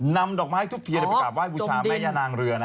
นำดอกไม้ทุบเทียนไปกลับว่ายบุญชาแม่ยานางเรือ